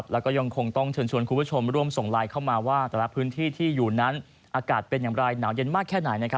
แล้วก็ยังคงต้องเชิญชวนคุณผู้ชมร่วมส่งไลน์เข้ามาว่าแต่ละพื้นที่ที่อยู่นั้นอากาศเป็นอย่างไรหนาวเย็นมากแค่ไหน